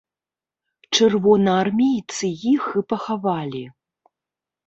Чырвонаармейцы іх і пахавалі.